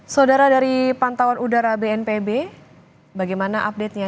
saudara dari pantauan udara bnpb bagaimana update nya